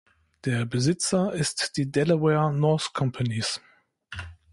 Der Besitzer ist die Delaware North Companies.